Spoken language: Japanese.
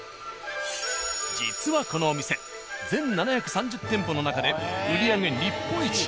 実はこのお店全７３０店舗の中で売り上げ日本一。